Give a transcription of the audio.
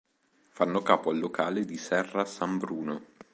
Fanno capo al Locale di Serra San Bruno.